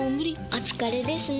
お疲れですね。